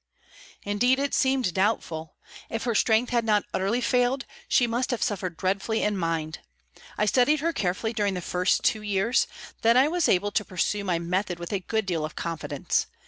"Indeed, it seemed doubtful. If her strength had not utterly failed, she must have suffered dreadfully in mind. I studied her carefully during the first two years; then I was able to pursue my method with a good deal of confidence.